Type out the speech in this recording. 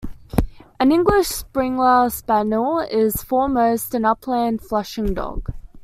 An English Springer Spaniel is foremost an upland flushing dog.